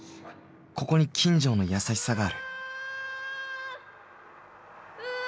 ここに金城の優しさがあるウー！